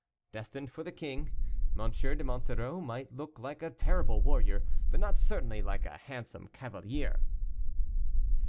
] destined for the king, M. de Monsoreau might look like a terrible warrior, but not certainly like a handsome cavalier.